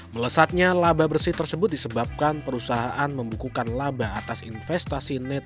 melesatnya laba bersih tersebut disebabkan perusahaan membukukan laba atas investasi net